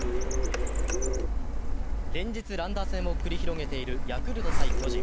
連日、乱打戦を繰り広げているヤクルト×巨人。